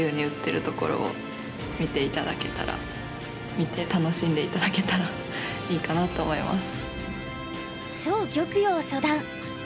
見て楽しんで頂けたらいいかなと思います。